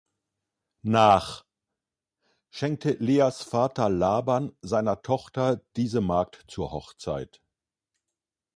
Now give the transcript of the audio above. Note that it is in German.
Nach schenkte Leas Vater Laban seiner Tochter diese Magd zur Hochzeit.